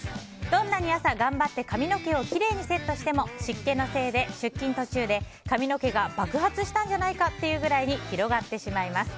どんなに朝、頑張って髪の毛をきれいにセットしても湿気のせいで出勤途中で髪の毛が爆発したんじゃないかというぐらいに広がってしまいます。